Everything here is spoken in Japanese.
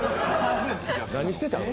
何してたん？